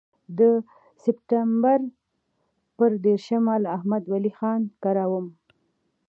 د سپټمبر پر دېرشمه له احمد ولي خان کره وم.